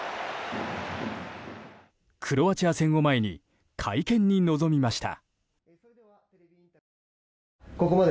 クロアチア戦を前に会見に臨みました。